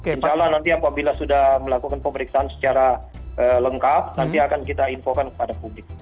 insya allah nanti apabila sudah melakukan pemeriksaan secara lengkap nanti akan kita infokan kepada publik